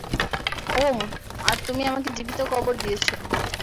ওম, আর তুমি আমাকে জীবিত কবর দিয়েছ।